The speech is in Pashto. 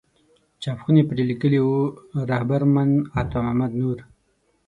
چاپ خونې پرې لیکلي وو رهبر من عطا محمد نور.